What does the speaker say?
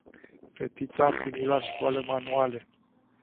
Fetița a primit la școală manuale.